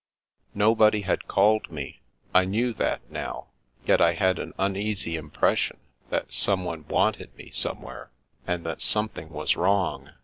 Nobody had called me; I knew that, now, yet I had an uneasy impression that someone wanted me somewhere, and that something was wrong.